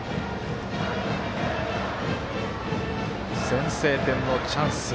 先制点のチャンス。